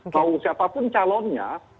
kalau siapapun calonnya